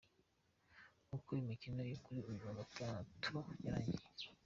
Uko imikino yo kuri uyu wa Gatatu yarangiye:.